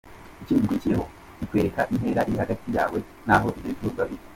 Ikindi gikurikiyeho, ikwereka intera iri hagati yawe n’aho ibyo bicuruzwa biri.